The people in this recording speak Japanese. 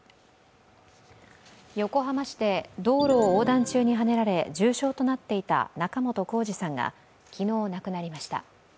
横浜市で道路を横断中にはねら重傷となっていた仲本工事さんが昨日亡くなりました。